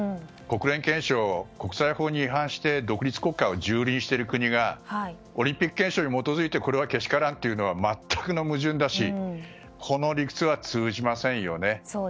国連憲章、国際法に違反して独立国家を蹂躙している国がオリンピック憲章に基づいてこれはけしからというのは全くの矛盾だしこの理屈は通じませんよね。